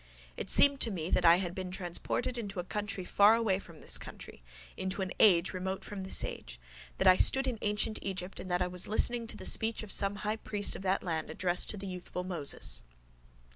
It seemed to me that I had been transported into a country far away from this country, into an age remote from this age, that I stood in ancient Egypt and that I was listening to the speech of some highpriest of that land addressed to the youthful Moses.